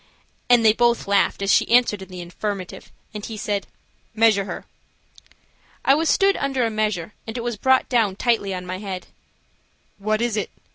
and they both laughed as she answered in the affirmative, and he said: "Measure her." I was stood under a measure, and it was brought down tightly on my head. "What is it?"